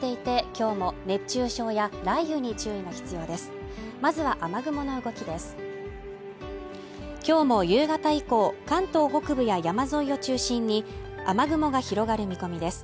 今日も夕方以降関東北部や山沿いを中心に雨雲が広がる見込みです